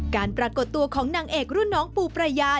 ปรากฏตัวของนางเอกรุ่นน้องปูประยา